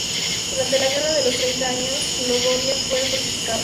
Durante la Guerra de los Treinta Años, Glogovia fue fortificada.